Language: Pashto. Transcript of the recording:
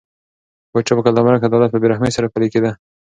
د پاچا په قلمرو کې عدالت په بې رحمۍ سره پلی کېده.